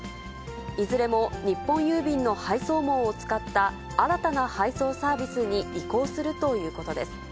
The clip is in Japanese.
いずれも日本郵便の配送網を使った新たな配送サービスに移行するということです。